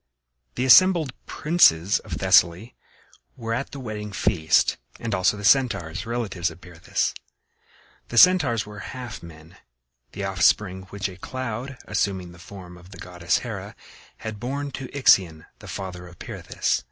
The assembled princes of Thessaly were at the wedding feast, and also the Centaurs, relatives of Pirithous. The Centaurs were half men, the offspring which a cloud, assuming the form of the goddess Hera, had born to Ixion, the father of Pirithous.